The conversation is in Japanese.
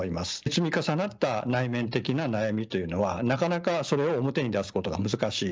積み重なった内面的な悩みというのはなかなかそれを表に出すことが難しい。